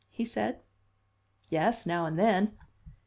he said. "Yes; now and then."